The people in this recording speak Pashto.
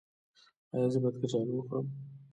ایا زه باید کچالو وخورم؟